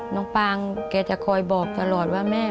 น้องปางแกจะคอยบอกตลอดว่าแม่